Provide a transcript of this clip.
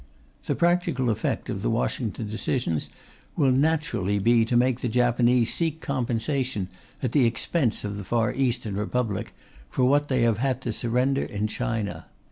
The practical effect of the Washington decisions will naturally be to make the Japanese seek compensation, at the expense of the Far Eastern Republic, for what they have had to surrender in China.